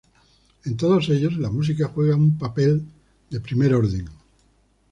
En todos ellos la música juega un papel de primer orden.